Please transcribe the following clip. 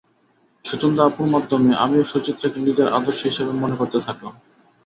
সুচন্দা আপুর মাধ্যমে আমিও সুচিত্রাকে নিজের আদর্শ হিসেবে মনে করতে থাকলাম।